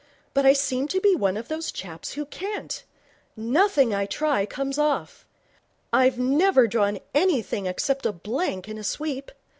'But I seem to be one of those chaps who can't. Nothing I try comes off. I've never drawn anything except a blank in a sweep.